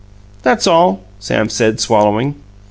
"That's all," Sam said, swallowing.